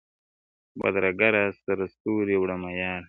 بدرګه را سره ستوري وړمه یاره-